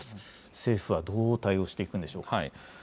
政府はどう対応していくんでしょうか。